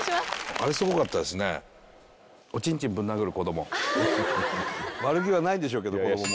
悪気はないんでしょうけど子供もね。